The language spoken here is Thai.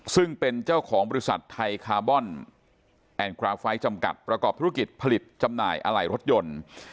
ซึ่งเป็นเจ้าของบริษัทไทยคาร์บอนแอนคราไฟท์จำกัดประกอบธุรกิจผลิตจำหน่ายอะไหล่รถยนต์